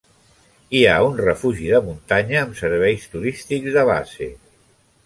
Hi ha un refugi de muntanya amb serveis turístics de base.